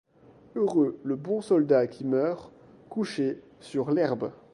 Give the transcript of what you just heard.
Heureux le bon soldat qui meurt, couché sur l'herbe